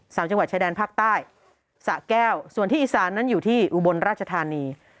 สามจังหวัดชายแดนภาคใต้สะแก้วส่วนที่อีสานนั้นอยู่ที่อุบลราชธานี